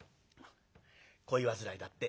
「恋煩いだって」。